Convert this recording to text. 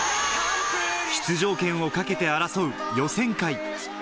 出場権をかけて争う予選会。